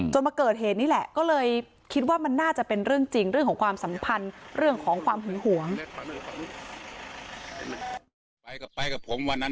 มาเกิดเหตุนี่แหละก็เลยคิดว่ามันน่าจะเป็นเรื่องจริงเรื่องของความสัมพันธ์เรื่องของความหึงหวง